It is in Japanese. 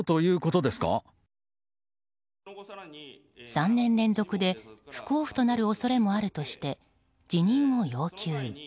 ３年連続で不交付となる恐れもあるとして辞任を要求。